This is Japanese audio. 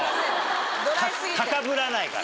高ぶらないから。